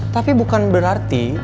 tapi bukan berarti